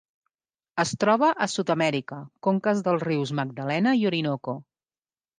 Es troba a Sud-amèrica: conques dels rius Magdalena i Orinoco.